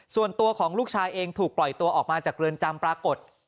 ส่วนตัวของลูกชายเองถูกปล่อยตัวออกมาจากเรือนจำปรากฏ